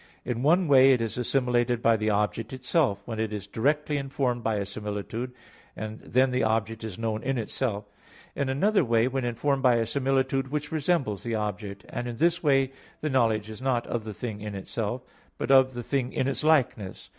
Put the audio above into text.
In one way it is assimilated by the object itself, when it is directly informed by a similitude, and then the object is known in itself. In another way when informed by a similitude which resembles the object; and in this way, the knowledge is not of the thing in itself, but of the thing in its likeness.